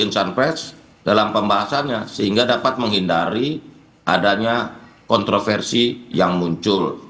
jadi berbagai elemen termasuk insan pes dalam pembahasannya sehingga dapat menghindari adanya kontroversi yang muncul